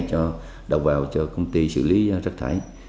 cho đầu vào cho công ty xử lý rác thải